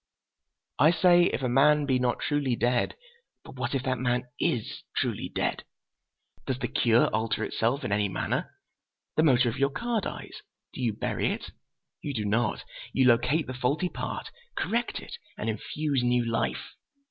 "I say 'if a man be not truly dead.' But what if that man is truly dead? Does the cure alter itself in any manner? The motor of your car dies—do you bury it? You do not; you locate the faulty part, correct it, and infuse new life.